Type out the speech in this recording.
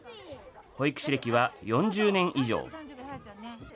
保育士歴は４０年以上。